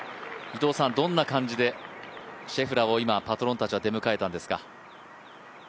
伊藤さん、どんな感じでシェフラーを今、パトロンたちは出迎えたんですか？